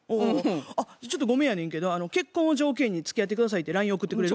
ちょっとごめんやねんけど「結婚を条件につきあって下さい」ってライン送ってくれる？